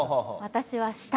私は下。